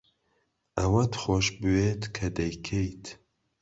ئەوەت خۆش بوێت کە دەیکەیت.